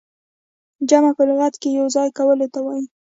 جمع په لغت کښي يو ځاى کولو ته وايي.